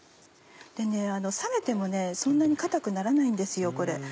冷めてもそんなに硬くならないんですよこれ。